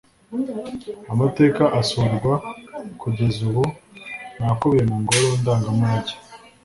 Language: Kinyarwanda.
Amateka asurwa kugeza ubu ni akubiye mu ngoro ndangamurage